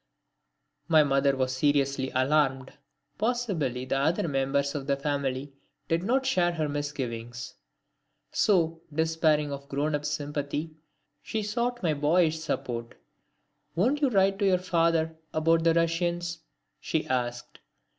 My mother was seriously alarmed. Possibly the other members of the family did not share her misgivings; so, despairing of grown up sympathy, she sought my boyish support. "Won't you write to your father about the Russians?" she asked.